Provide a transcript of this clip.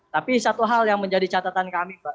tapi satu hal yang menjadi catatan kami mbak